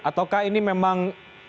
ataukah ini memang